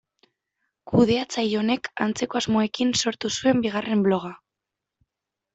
Kudeatzaile honek antzeko asmoekin sortu zuen bigarren bloga.